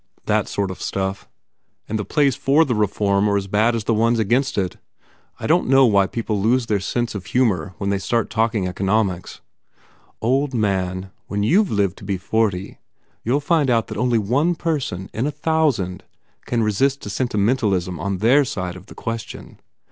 That sort of stuff. And the plays for re form are as bad as the ones against it. I don t know why people always lose their sense of humour when they start talking economics!" "Old man, when you ve lived to be forty you ll find out that only one person in a thousand can resist a sentimentalism on their side of the question.